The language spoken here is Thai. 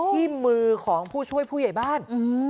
ที่มือของผู้ช่วยผู้ใหญ่บ้าน